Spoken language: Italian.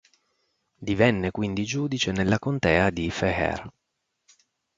Divenne quindi giudice nella contea di Fejér.